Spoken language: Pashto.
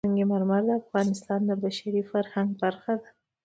سنگ مرمر د افغانستان د بشري فرهنګ برخه ده.